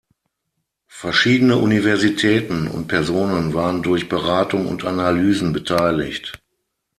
Verschiedene Universitäten und Personen waren durch Beratung und Analysen beteiligt.